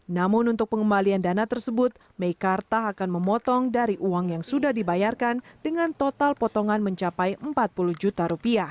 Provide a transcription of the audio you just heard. namun untuk pengembalian dana tersebut meikarta akan memotong dari uang yang sudah dibayarkan dengan total potongan mencapai rp empat puluh juta